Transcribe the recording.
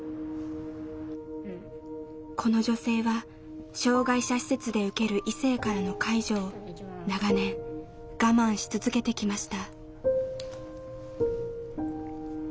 この女性は障害者施設で受ける異性からの介助を長年我慢し続けてきました。